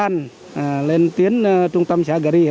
nặng nhất là xã gari